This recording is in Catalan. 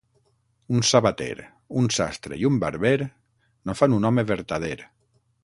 Un sabater, un sastre i un barber no fan un home vertader.